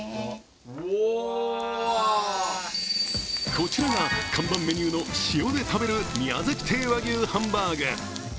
こちらが看板メニューの塩で食べる宮崎亭和牛ハンバーグ。